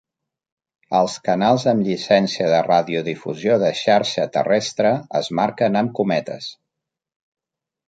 Els canals amb llicència de radiodifusió de xarxa terrestre es marquen amb "".